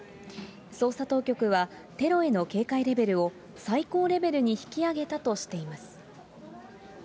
捜査当局はテロへの警戒レベルを最高レベルに引き上げたとしています。